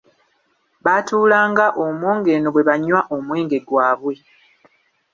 Baatuulanga omwo ng'eno bwe banywa omwenge gwaabwe.